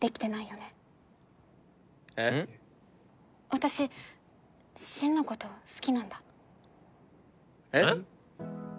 私深のこと好きなんだえっ？